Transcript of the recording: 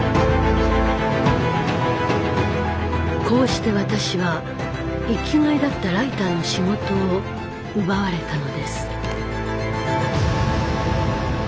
こうして私は生きがいだったライターの仕事を奪われたのです。